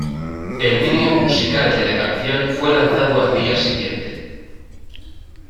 El vídeo musical de la canción fue lanzado al día siguiente.